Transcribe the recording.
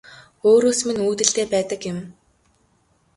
Өөрөөс минь үүдэлтэй байдаг юм